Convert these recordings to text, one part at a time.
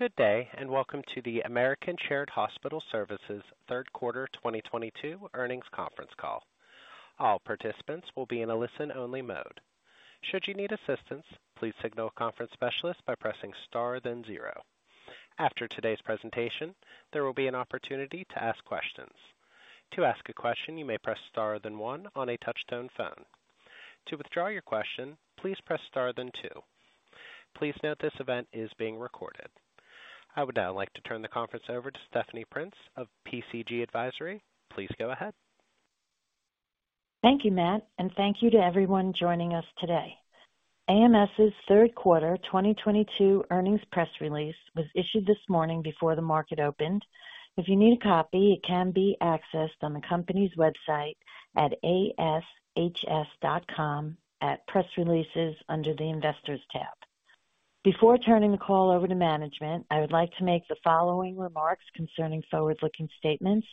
Good day, and welcome to the American Shared Hospital Services third quarter 2022 earnings conference call. All participants will be in a listen-only mode. Should you need assistance, please signal a conference specialist by pressing star then zero. After today's presentation, there will be an opportunity to ask questions. To ask a question, you may press star then one on a touch-tone phone. To withdraw your question, please press star then two. Please note this event is being recorded. I would now like to turn the conference over to Stephanie Prince of PCG Advisory. Please go ahead. Thank you, Matt, and thank you to everyone joining us today. AMS' third quarter 2022 earnings press release was issued this morning before the market opened. If you need a copy, it can be accessed on the company's website at ashs.com at Press Releases under the Investors tab. Before turning the call over to management, I would like to make the following remarks concerning forward-looking statements.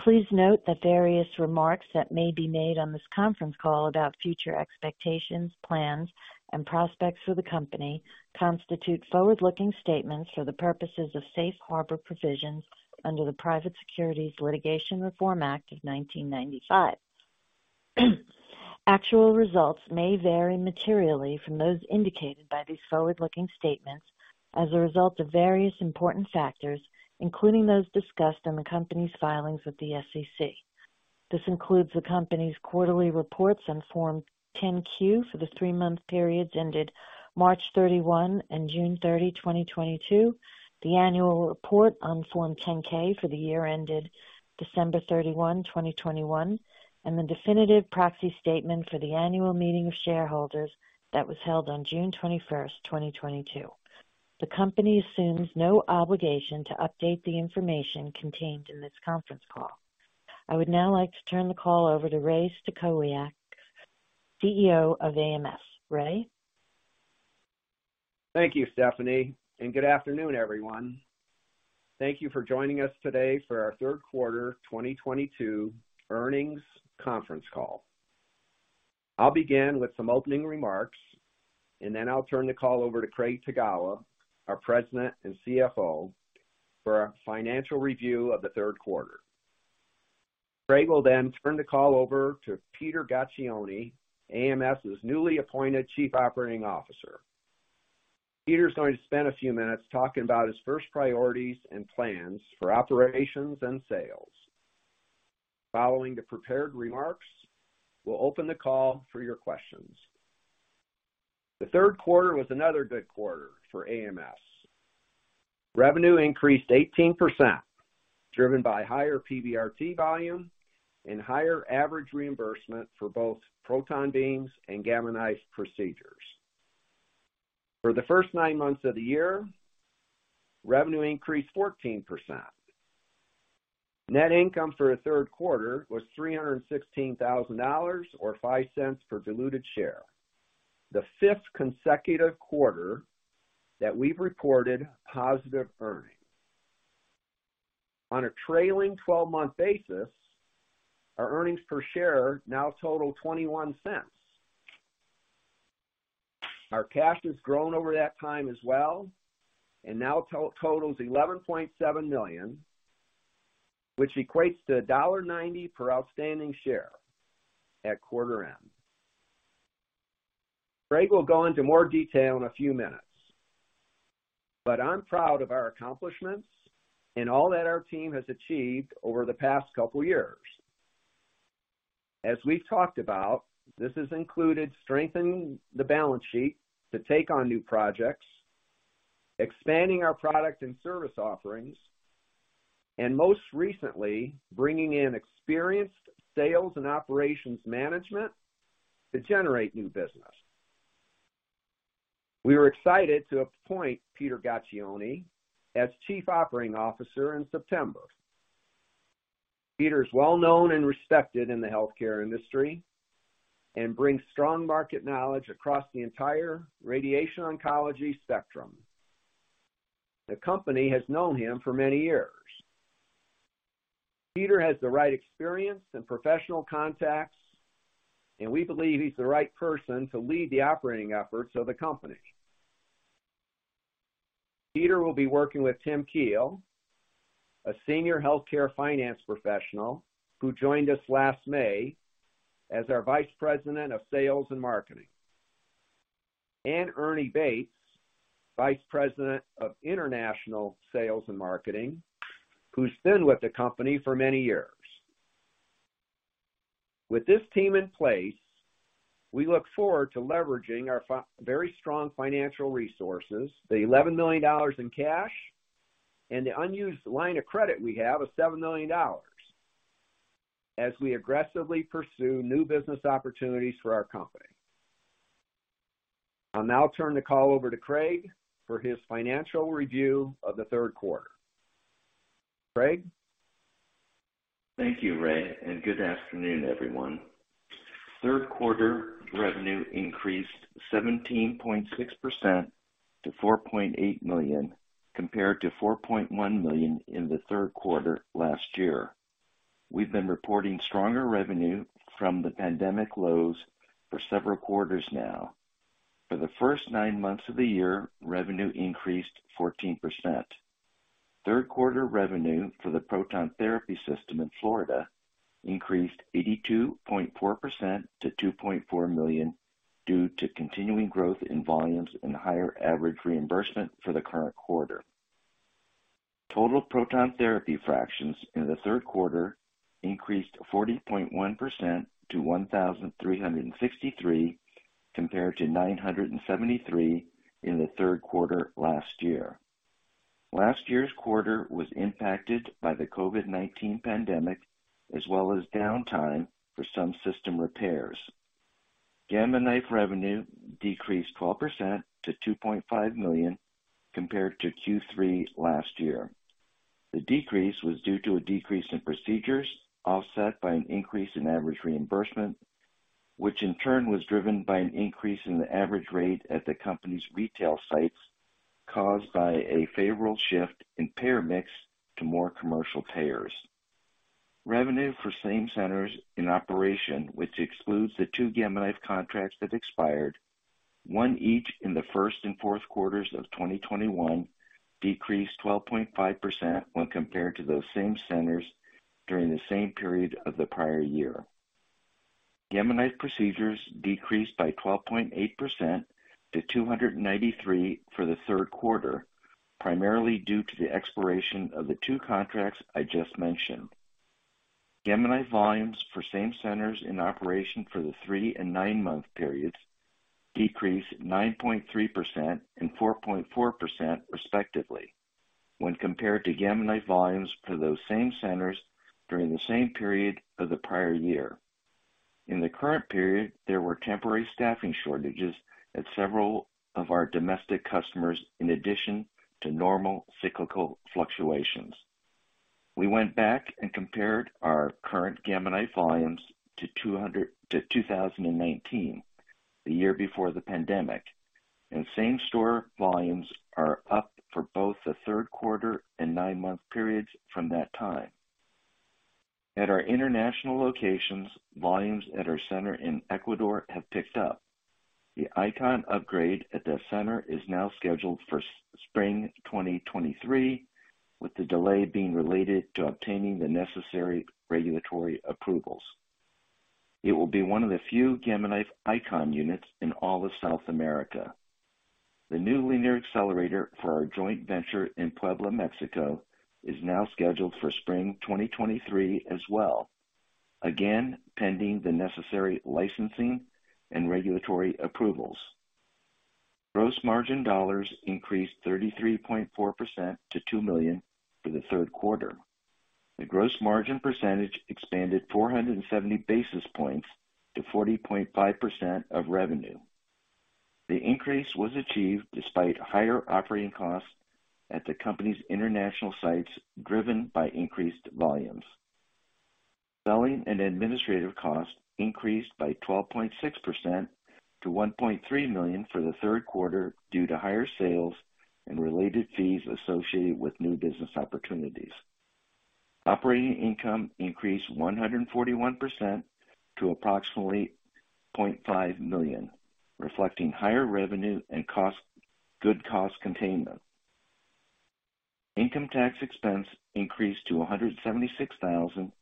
Please note that various remarks that may be made on this conference call about future expectations, plans, and prospects for the company constitute forward-looking statements for the purposes of safe harbor provisions under the Private Securities Litigation Reform Act of 1995. Actual results may vary materially from those indicated by these forward-looking statements as a result of various important factors, including those discussed in the company's filings with the SEC. This includes the company's quarterly reports on Form 10-Q for the three-month periods ended March 31 and June 30, 2022, the annual report on Form 10-K for the year ended December 31, 2021, and the definitive proxy statement for the Annual Meeting of Shareholders that was held on June 21, 2022. The company assumes no obligation to update the information contained in this conference call. I would now like to turn the call over to Ray Stachowiak, CEO of AMS. Ray. Thank you, Stephanie, and good afternoon, everyone. Thank you for joining us today for our third quarter 2022 earnings conference call. I'll begin with some opening remarks, and then I'll turn the call over to Craig Tagawa, our President and CFO, for a financial review of the third quarter. Craig will then turn the call over to Peter Gaccione, AMS' newly appointed Chief Operating Officer. Peter is going to spend a few minutes talking about his first priorities and plans for operations and sales. Following the prepared remarks, we'll open the call for your questions. The third quarter was another good quarter for AMS. Revenue increased 18%, driven by higher PBRT volume and higher average reimbursement for both proton beams and Gamma Knife procedures. For the first nine months of the year, revenue increased 14%. Net income for the third quarter was $316,000 or $0.05 per diluted share, the fifth consecutive quarter that we've reported positive earnings. On a trailing 12-month basis, our earnings per share now total $0.21. Our cash has grown over that time as well and now totals $11.7 million, which equates to $1.90 per outstanding share at quarter end. Craig will go into more detail in a few minutes. I'm proud of our accomplishments and all that our team has achieved over the past couple years. As we've talked about, this has included strengthening the balance sheet to take on new projects, expanding our product and service offerings, and most recently, bringing in experienced sales and operations management to generate new business. We were excited to appoint Peter Gaccione as Chief Operating Officer in September. Peter is well-known and respected in the healthcare industry and brings strong market knowledge across the entire radiation oncology spectrum. The company has known him for many years. Peter has the right experience and professional contacts, and we believe he's the right person to lead the operating efforts of the company. Peter will be working with Tim Keel, a senior healthcare finance professional who joined us last May as our Vice President of Sales and Marketing, and Ernie Bates, Vice President of International Sales and Marketing, who's been with the company for many years. With this team in place, we look forward to leveraging our very strong financial resources, the $11 million in cash and the unused line of credit we have of $7 million as we aggressively pursue new business opportunities for our company. I'll now turn the call over to Craig for his financial review of the third quarter. Craig. Thank you, Ray, and good afternoon, everyone. Third quarter revenue increased 17.6% to $4.8 million compared to $4.1 million in the third quarter last year. We've been reporting stronger revenue from the pandemic lows for several quarters now. For the first nine months of the year, revenue increased 14%. Third quarter revenue for the proton therapy system in Florida increased 82.4% to $2.4 million due to continuing growth in volumes and higher average reimbursement for the current quarter. Total proton therapy fractions in the third quarter increased 40.1% to 1,363, compared to 973 in the third quarter last year. Last year's quarter was impacted by the COVID-19 pandemic as well as downtime for some system repairs. Gamma Knife revenue decreased 12% to $2.5 million compared to Q3 last year. The decrease was due to a decrease in procedures, offset by an increase in average reimbursement, which in turn was driven by an increase in the average rate at the company's retail sites, caused by a favorable shift in payer mix to more commercial payers. Revenue for same centers in operation, which excludes the two Gamma Knife contracts that expired, one each in the first and fourth quarters of 2021, decreased 12.5% when compared to those same centers during the same period of the prior year. Gamma Knife procedures decreased by 12.8% to 293 for the third quarter, primarily due to the expiration of the two contracts I just mentioned. Gamma Knife volumes for same centers in operation for the three and nine-month periods decreased 9.3% and 4.4%, respectively, when compared to Gamma Knife volumes for those same centers during the same period of the prior year. In the current period, there were temporary staffing shortages at several of our domestic customers in addition to normal cyclical fluctuations. We went back and compared our current Gamma Knife volumes to 2019, the year before the pandemic. Same-store volumes are up for both the third quarter and nine-month periods from that time. At our international locations, volumes at our center in Ecuador have picked up. The Icon upgrade at the center is now scheduled for spring 2023, with the delay being related to obtaining the necessary regulatory approvals. It will be one of the few Gamma Knife Icon units in all of South America. The new linear accelerator for our joint venture in Puebla, Mexico, is now scheduled for spring 2023 as well. Again, pending the necessary licensing and regulatory approvals. Gross margin dollars increased 33.4% to $2 million for the third quarter. The gross margin percentage expanded 470 basis points to 40.5% of revenue. The increase was achieved despite higher operating costs at the company's international sites, driven by increased volumes. Selling and administrative costs increased by 12.6% to $1.3 million for the third quarter due to higher sales and related fees associated with new business opportunities. Operating income increased 141% to approximately $0.5 million, reflecting higher revenue and good cost containment. Income tax expense increased to $176,000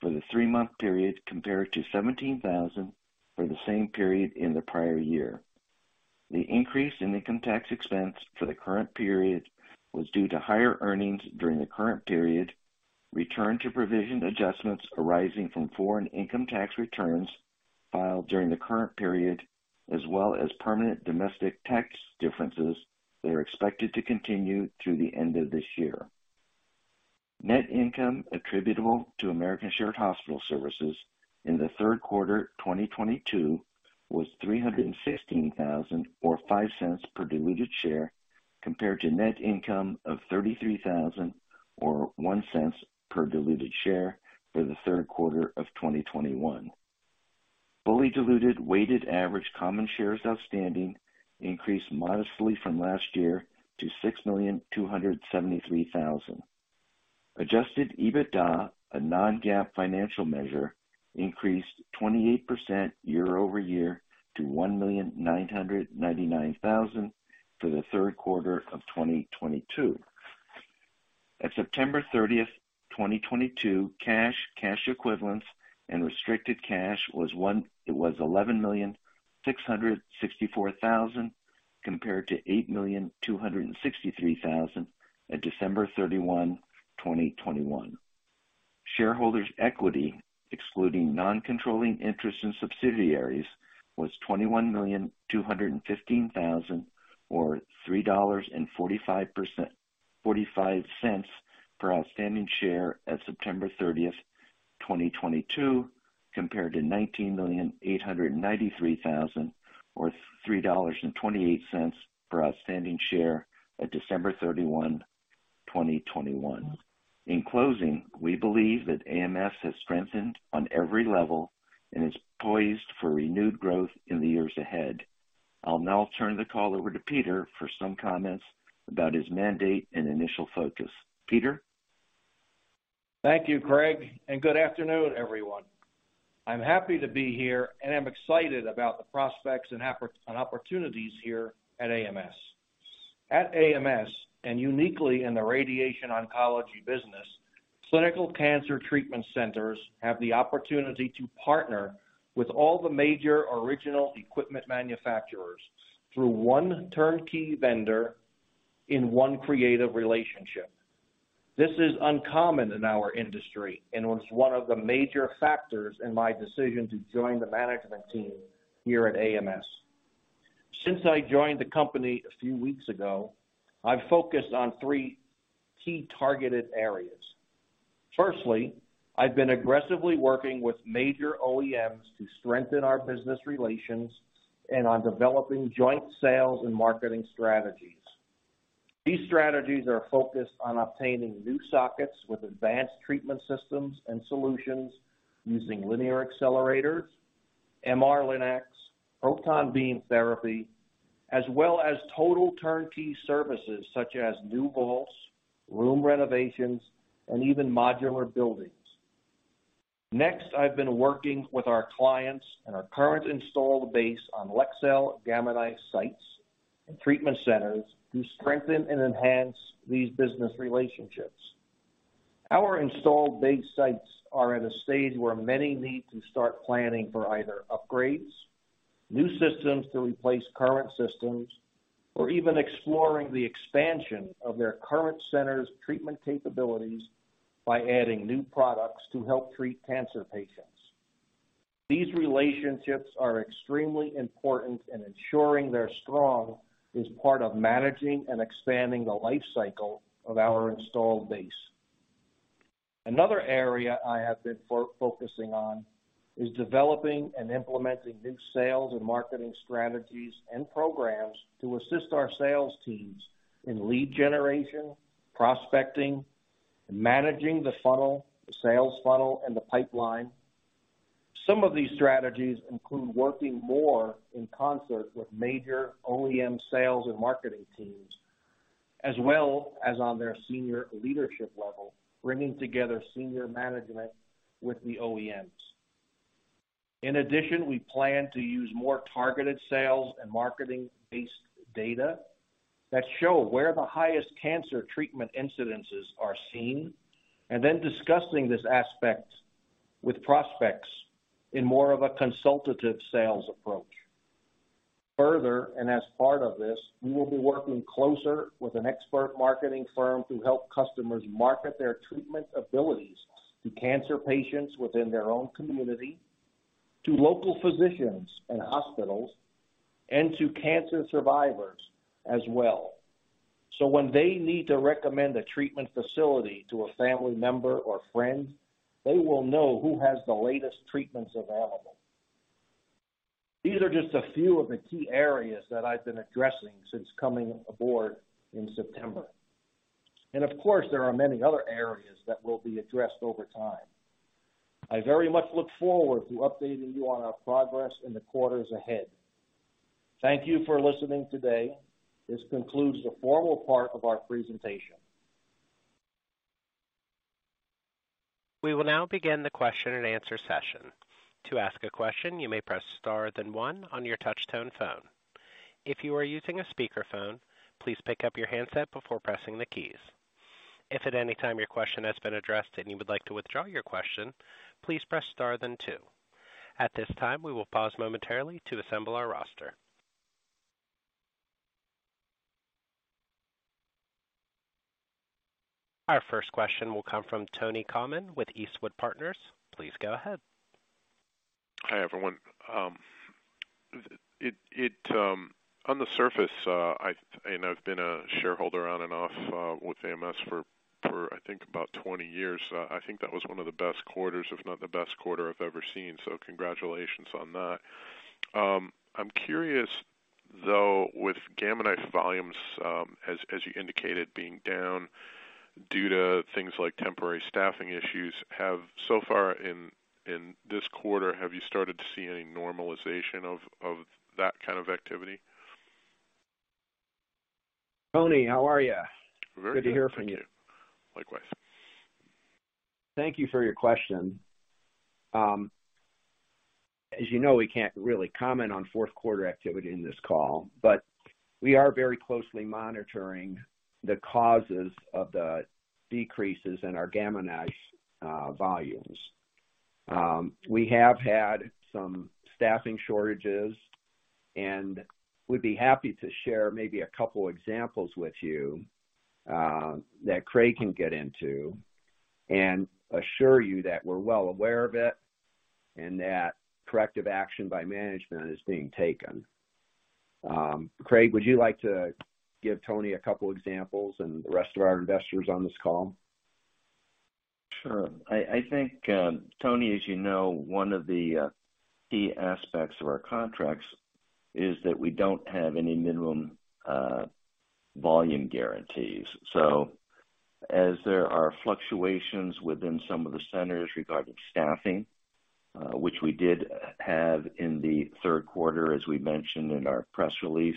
for the three-month period, compared to $17,000 for the same period in the prior year. The increase in income tax expense for the current period was due to higher earnings during the current period, return to provision adjustments arising from foreign income tax returns filed during the current period, as well as permanent domestic tax differences that are expected to continue through the end of this year. Net income attributable to American Shared Hospital Services in the third quarter 2022 was $316,000, or $0.05 per diluted share, compared to net income of $33,000 or $0.01 per diluted share for the third quarter of 2021. Fully diluted weighted average common shares outstanding increased modestly from last year to 6,273,000. Adjusted EBITDA, a non-GAAP financial measure, increased 28% year-over-year to $1,999,000 for the third quarter of 2022. At September 30, 2022, cash equivalents, and restricted cash was $11,664,000, compared to $8,263,000 at December 31, 2021. Shareholders' equity, excluding non-controlling interest in subsidiaries, was $21,215,000, or $3.45 per outstanding share at September 30, 2022, compared to $19,893,000 or $3.28 per outstanding share at December 31, 2021. In closing, we believe that AMS has strengthened on every level and is poised for renewed growth in the years ahead. I'll now turn the call over to Peter for some comments about his mandate and initial focus. Peter? Thank you, Craig, and good afternoon, everyone. I'm happy to be here, and I'm excited about the prospects and opportunities here at AMS. At AMS, and uniquely in the radiation oncology business, clinical cancer treatment centers have the opportunity to partner with all the major original equipment manufacturers through one turnkey vendor in one creative relationship. This is uncommon in our industry and was one of the major factors in my decision to join the management team here at AMS. Since I joined the company a few weeks ago, I've focused on three key targeted areas. Firstly, I've been aggressively working with major OEMs to strengthen our business relations and on developing joint sales and marketing strategies. These strategies are focused on obtaining new sockets with advanced treatment systems and solutions using linear accelerators, MR-linacs, proton beam therapy, as well as total turnkey services such as new vaults, room renovations, and even modular buildings. Next, I've been working with our clients and our current installed base on Leksell Gamma Knife sites and treatment centers to strengthen and enhance these business relationships. Our installed base sites are at a stage where many need to start planning for either upgrades, new systems to replace current systems, or even exploring the expansion of their current center's treatment capabilities by adding new products to help treat cancer patients. These relationships are extremely important, and ensuring they're strong is part of managing and expanding the life cycle of our installed base. Another area I have been focusing on is developing and implementing new sales and marketing strategies and programs to assist our sales teams in lead generation, prospecting, and managing the funnel, the sales funnel and the pipeline. Some of these strategies include working more in concert with major OEM sales and marketing teams, as well as on their senior leadership level, bringing together senior management with the OEMs. In addition, we plan to use more targeted sales and marketing-based data that show where the highest cancer treatment incidences are seen, and then discussing this aspect with prospects in more of a consultative sales approach. Further, and as part of this, we will be working closer with an expert marketing firm to help customers market their treatment abilities to cancer patients within their own community, to local physicians and hospitals, and to cancer survivors as well. When they need to recommend a treatment facility to a family member or friend, they will know who has the latest treatments available. These are just a few of the key areas that I've been addressing since coming aboard in September. Of course, there are many other areas that will be addressed over time. I very much look forward to updating you on our progress in the quarters ahead. Thank you for listening today. This concludes the formal part of our presentation. We will now begin the question-and-answer session. To ask a question, you may press star, then one on your touch-tone phone. If you are using a speakerphone, please pick up your handset before pressing the keys. If at any time your question has been addressed and you would like to withdraw your question, please press star then two. At this time, we will pause momentarily to assemble our roster. Our first question will come from Tony Kamin with Eastwood Partners. Please go ahead. Hi, everyone. On the surface, and I've been a shareholder on and off with AMS for I think about 20 years. I think that was one of the best quarters, if not the best quarter I've ever seen. Congratulations on that. I'm curious, though, with Gamma Knife volumes, as you indicated, being down due to things like temporary staffing issues. So far in this quarter, have you started to see any normalization of that kind of activity? Tony, how are you? Very good. Good to hear from you. Thank you. Likewise. Thank you for your question. As you know, we can't really comment on fourth quarter activity in this call, but we are very closely monitoring the causes of the decreases in our Gamma Knife volumes. We have had some staffing shortages, and we'd be happy to share maybe a couple examples with you, that Craig can get into and assure you that we're well aware of it and that corrective action by management is being taken. Craig, would you like to give Tony a couple examples and the rest of our investors on this call? Sure. I think, Tony, as you know, one of the key aspects of our contracts is that we don't have any minimum volume guarantees. As there are fluctuations within some of the centers regarding staffing, which we did have in the third quarter, as we mentioned in our press release,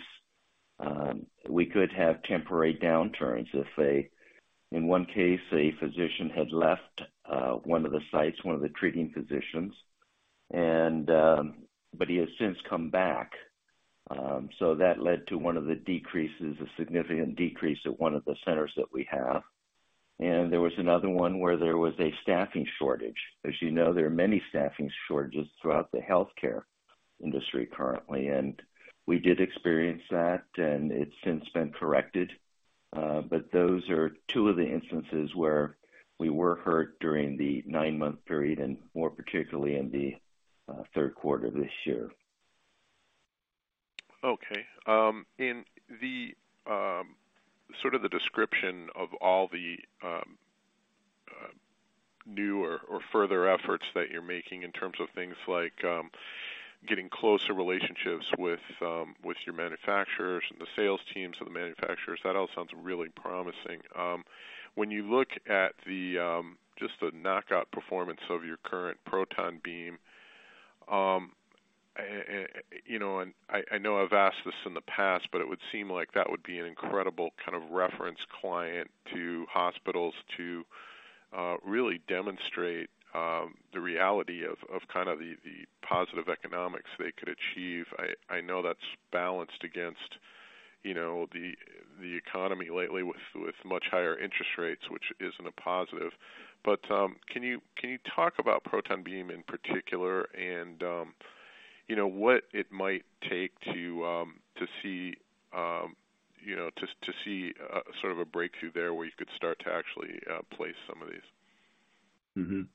we could have temporary downturns. In one case, a physician had left one of the sites, one of the treating physicians, and but he has since come back. That led to one of the decreases, a significant decrease at one of the centers that we have. There was another one where there was a staffing shortage. As you know, there are many staffing shortages throughout the healthcare industry currently, and we did experience that, and it's since been corrected. Those are two of the instances where we were hurt during the nine-month period and more particularly in the third quarter this year. Okay. In the sort of the description of all the new or further efforts that you're making in terms of things like getting closer relationships with your manufacturers and the sales teams of the manufacturers, that all sounds really promising. When you look at just the knockout performance of your current proton beam, you know, and I know I've asked this in the past, but it would seem like that would be an incredible kind of reference client to hospitals to really demonstrate the reality of kind of the positive economics they could achieve. I know that's balanced against, you know, the economy lately with much higher interest rates, which isn't a positive. Can you talk about proton beam in particular and, you know, what it might take to see, you know, to see sort of a breakthrough there where you could start to actually place some of these?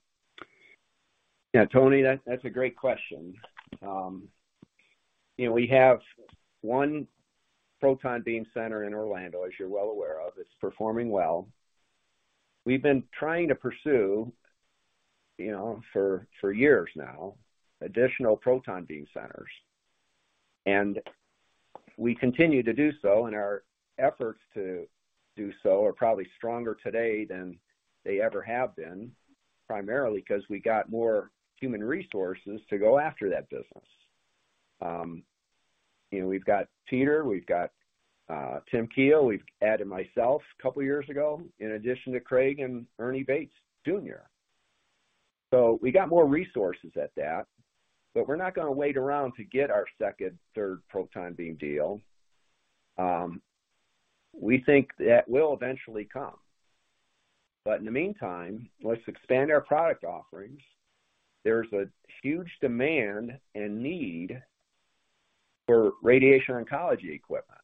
Yeah, Tony, that's a great question. You know, we have one proton beam center in Orlando, as you're well aware of. It's performing well. We've been trying to pursue, you know, for years now, additional proton beam centers. We continue to do so, and our efforts to do so are probably stronger today than they ever have been, primarily 'cause we got more human resources to go after that business. You know, we've got Peter, we've got Tim Keel, we've added myself a couple years ago, in addition to Craig and Ernie Bates Jr. We got more resources at that, but we're not gonna wait around to get our second, third proton beam deal. We think that will eventually come. In the meantime, let's expand our product offerings. There's a huge demand and need for radiation oncology equipment.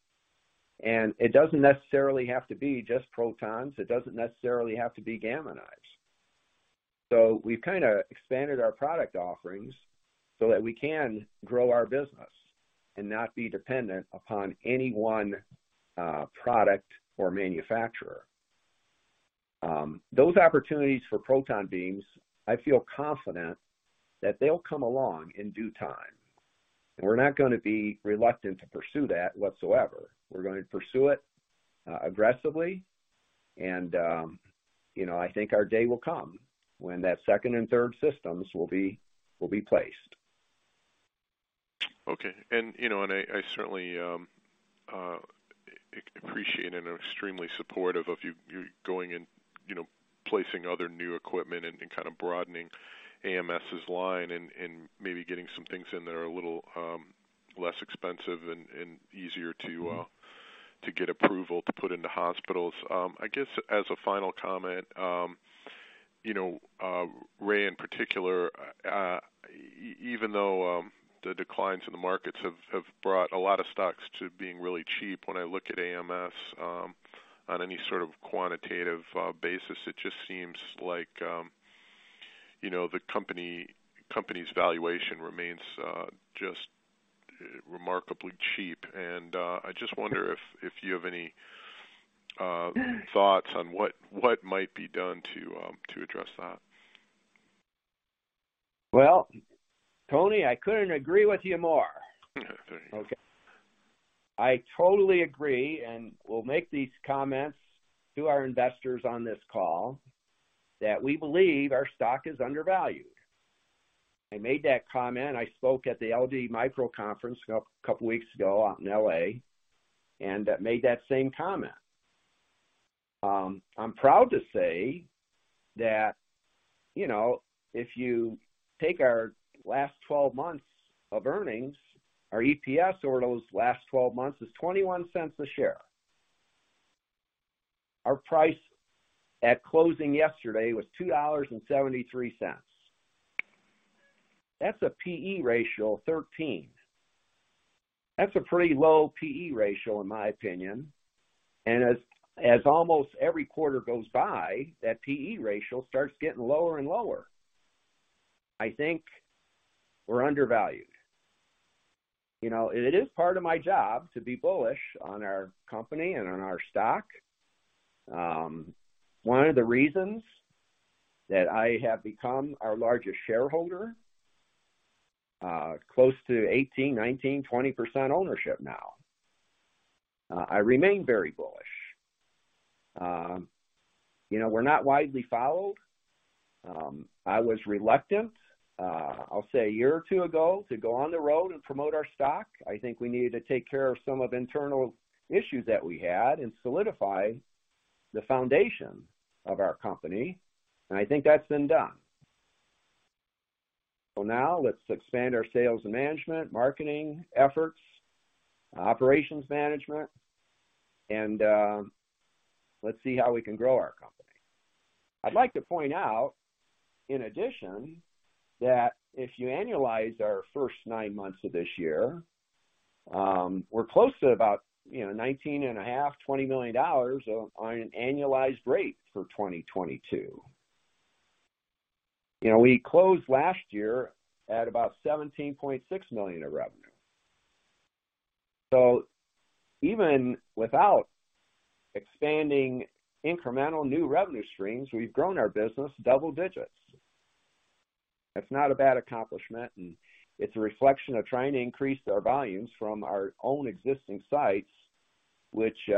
It doesn't necessarily have to be just protons. It doesn't necessarily have to be Gamma Knives. We've kind of expanded our product offerings so that we can grow our business and not be dependent upon any one product or manufacturer. Those opportunities for proton beams, I feel confident that they'll come along in due time. We're not gonna be reluctant to pursue that whatsoever. We're going to pursue it aggressively, and I think our day will come when that second and third systems will be placed. You know, and I certainly appreciate and are extremely supportive of you going and, you know, placing other new equipment and kind of broadening AMS' line and maybe getting some things in that are a little less expensive and easier to get approval to put into hospitals. I guess as a final comment, you know, Ray, in particular, even though the declines in the markets have brought a lot of stocks to being really cheap, when I look at AMS, on any sort of quantitative basis, it just seems like, you know, the company's valuation remains just remarkably cheap. I just wonder if you have any thoughts on what might be done to address that. Well, Tony, I couldn't agree with you more. I totally agree, and we'll make these comments to our investors on this call, that we believe our stock is undervalued. I made that comment. I spoke at the LD Micro Conference a couple weeks ago out in L.A., and made that same comment. I'm proud to say that, you know, if you take our last 12 months of earnings, our EPS over those last 12 months is $0.21 a share. Our price at closing yesterday was $2.73. That's a P/E ratio of 13. That's a pretty low P/E ratio, in my opinion. As almost every quarter goes by, that P/E ratio starts getting lower and lower. I think we're undervalued. You know, it is part of my job to be bullish on our company and on our stock. One of the reasons that I have become our largest shareholder. Close to 18%, 19%, 20% ownership now. I remain very bullish. You know, we're not widely followed. I was reluctant, I'll say a year or two ago, to go on the road and promote our stock. I think we needed to take care of some internal issues that we had and solidify the foundation of our company, and I think that's been done. Now let's expand our sales and management, marketing efforts, operations management, and, let's see how we can grow our company. I'd like to point out, in addition, that if you annualize our first nine months of this year, we're close to about, you know, $19.5 million, $20 million on an annualized rate for 2022. You know, we closed last year at about $17.6 million of revenue. Even without expanding incremental new revenue streams, we've grown our business double digits. That's not a bad accomplishment, and it's a reflection of trying to increase our volumes from our own existing sites, which, you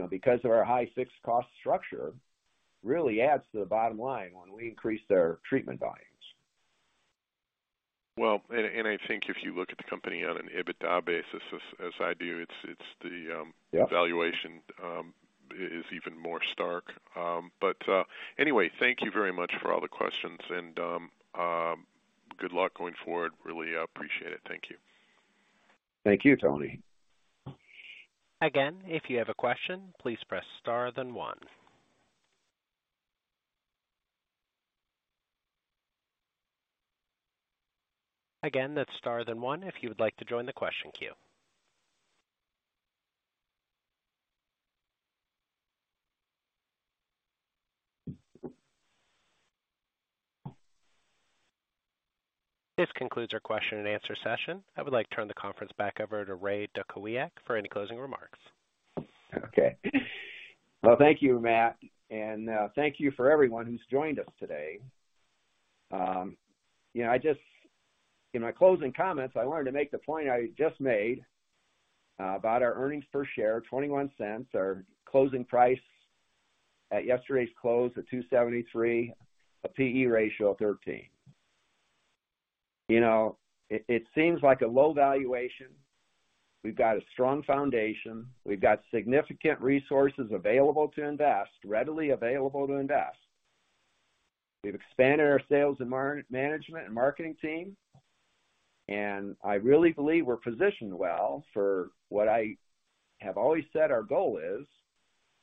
know, because of our high fixed cost structure, really adds to the bottom line when we increase their treatment volumes. Well, I think if you look at the company on an EBITDA basis, as I do, it's the valuation is even more stark. Anyway, thank you very much for all the questions and good luck going forward. Really appreciate it. Thank you. Thank you, Tony. Again, if you have a question, please press star then one. Again, that's star then one if you would like to join the question queue. This concludes our question-and-answer session. I would like to turn the conference back over to Ray Stachowiak for any closing remarks. Okay. Well, thank you, Matt, and thank you for everyone who's joined us today. You know, in my closing comments, I wanted to make the point I just made about our earnings per share, $0.21. Our closing price at yesterday's close at $2.73, a P/E ratio of 13. You know, it seems like a low valuation. We've got a strong foundation. We've got significant resources available to invest, readily available to invest. We've expanded our sales and management and marketing team, and I really believe we're positioned well for what I have always said our goal is: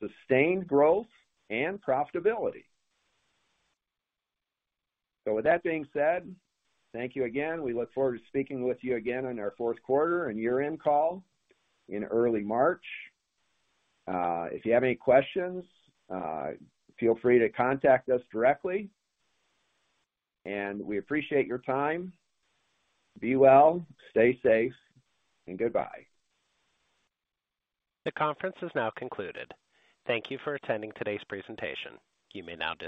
sustained growth and profitability. With that being said, thank you again. We look forward to speaking with you again on our fourth quarter and year-end call in early March. If you have any questions, feel free to contact us directly, and we appreciate your time. Be well, stay safe, and goodbye. The conference has now concluded. Thank you for attending today's presentation. You may now disconnect.